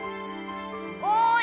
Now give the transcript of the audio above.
おい！